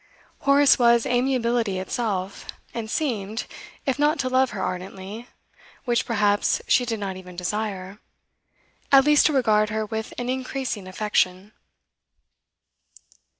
Horace was amiability itself, and seemed, if not to love her ardently (which, perhaps, she did not even desire), at least to regard her with an increasing affection.